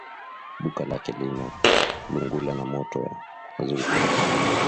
Duka yake inalungula na moto ya mazutu